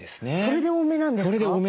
それで多めなんですか？